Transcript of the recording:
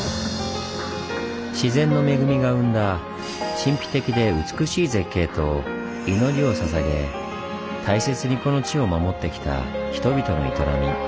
自然の恵みが生んだ神秘的で美しい絶景と祈りをささげ大切にこの地を守ってきた人々の営み。